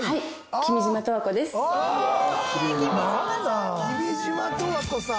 君島十和子さん！